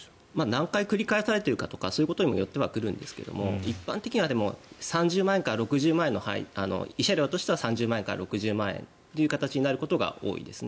何回繰り返されているかとかそういうことにもよってくるんですが一般的には３０万円から６０万円慰謝料としては３０万円から６０万円になることが多いです。